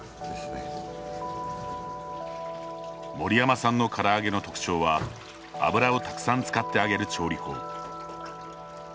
森山さんのから揚げの特徴は油をたくさん使って揚げる調理法。